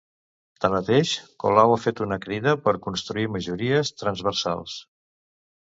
Tanmateix, Colau ha fet una crida per construir majories “transversals”.